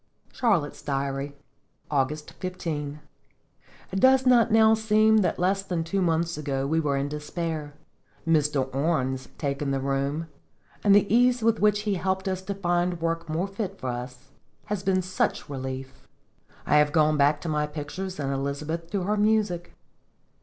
CHARLOTTE'S DIARY. August 15. It does not seem now that less than two months ago we were in despair. Mr. Orne's taking the room, and the ease with which he helped us to work more fit for us, have been such relief. I have gone back to my pictures, and Elizabeth to her music.